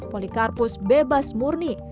polikarpus bebas murni